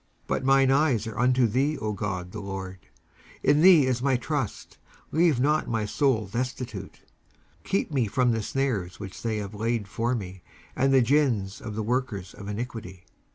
19:141:008 But mine eyes are unto thee, O GOD the Lord: in thee is my trust; leave not my soul destitute. 19:141:009 Keep me from the snares which they have laid for me, and the gins of the workers of iniquity.